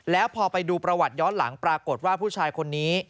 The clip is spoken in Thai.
แล้วพอไปดูประวัติย้อนหลังปรากฏว่าผู้ชายคนนี้